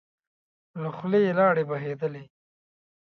له خولی يې لاړې بهېدلې.